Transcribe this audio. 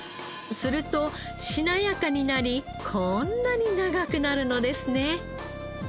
するとしなやかになりこんなに長くなるのですね。